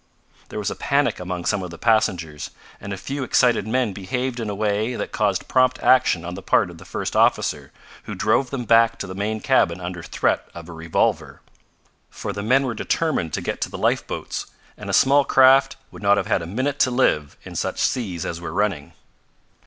There was a panic among some of the passengers, and a few excited men behaved in a way that caused prompt action on the part of the first officer, who drove them back to the main cabin under threat of a revolver. For the men were determined to get to the lifeboats, and a small craft would not have had a minute to live in such seas as were running.